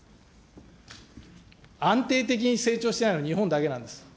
安定的に成長してないのは日本だけなんです。